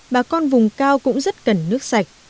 bà con vùng cao cũng rất cần nước sạch